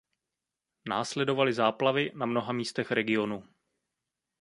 Následovaly záplavy na mnoha místech regionu.